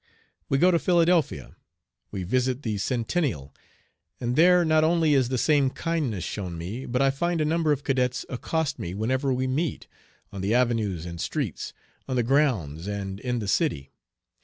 We go to Philadelphia. We visit the Centennial, and there not only is the same kindness shown me, but I find a number of cadets accost me whenever we meet, on the avenues and streets, on the grounds and in the city.